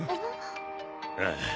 ああ。